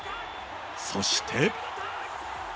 そして。